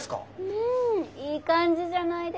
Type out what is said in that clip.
うんいい感じじゃないですか。